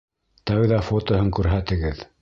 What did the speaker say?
Тәүҙә фотоһын күрһәтегеҙ.